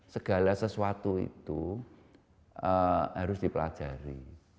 segala sesuatu itu harus dipelajari